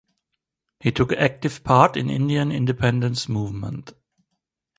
He took active part in Indian independence movement.